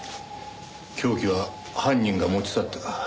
凶器は犯人が持ち去ったか。